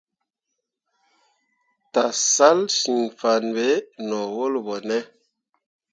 Tǝsalsyiŋfanne be no wul ɓo ne.